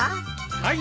はい。